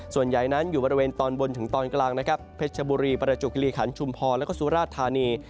ส่วนใหญ่นั้นอยู่บริเวณตอนบนถึงตอนกลางนะครับเพชรชบุรีประจวบคิริขันชุมพรแล้วก็สุราชธานี